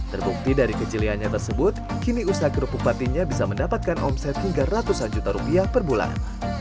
terbukti dari keciliannya tersebut kini usaha kerupuk patinnya bisa mendapatkan omset hingga ratusan juta rupiah perbulan